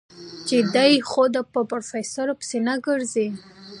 چې دی خو به په پروفيسر پسې نه ګرځي.